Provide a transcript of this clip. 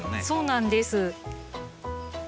そうなんです。